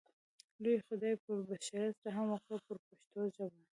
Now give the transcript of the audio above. لوی خدای پر بشریت رحم وکړ په پښتو ژبه.